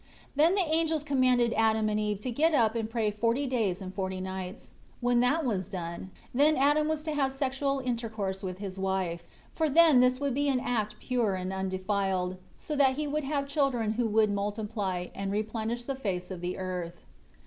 6 Then the angels commanded Adam and Eve to get up and pray forty days and forty nights; when that was done, then Adam was to have sexual intercourse with his wife; for then this would be an act pure and undefiled; so that he would have children who would multiply, and replenish the face of the earth.